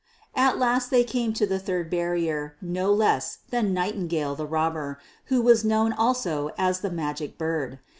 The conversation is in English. At last they came to the third barrier, no less than Nightingale the Robber, who was known also as the Magic Bird.